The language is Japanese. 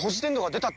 出た！？